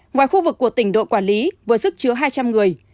ngoài khu vực của tỉnh đội quản lý với sức chứa hai trăm linh người